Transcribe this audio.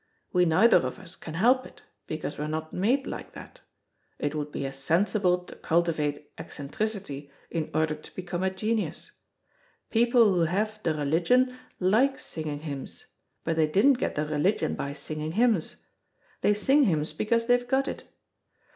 We neither of us can help it, because we're not made like that. It would be as sensible to cultivate eccentricity in order to become a genius. People who have 'the religion' like singing hymns, but they didn't get the religion by singing hymns. They sing hymns because they've got it.